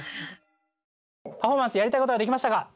パフォーマンスやりたいことはできましたか？